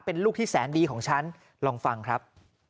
เป็นลูกที่แสนดีของฉันลองฟังครับ